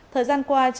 thời gian qua